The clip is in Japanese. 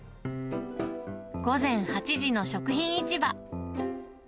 午前８時の食品市場。